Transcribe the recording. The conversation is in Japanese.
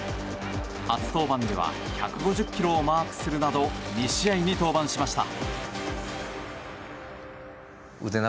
初登板では１５０キロをマークするなど２試合に登板しました。